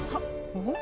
おっ！